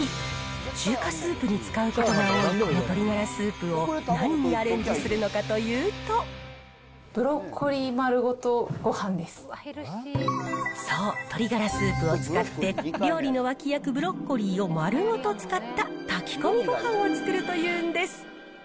中華スープに使うことが多いこの鶏がらスープを何にアレンジするブロッコリー丸ごとごはんでそう、鶏がらスープを使って、料理の脇役、ブロッコリーを丸ごと使った炊き込みごはんを作るというんです。